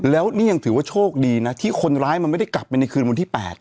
แล้วนี่ยังถือว่าโชคดีนะที่คนร้ายมันไม่ได้กลับไปในคืนวันที่๘